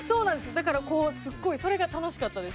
だからこうすごいそれが楽しかったです。